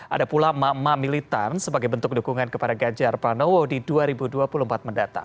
ada pula emak emak militan sebagai bentuk dukungan kepada ganjar pranowo di dua ribu dua puluh empat mendatang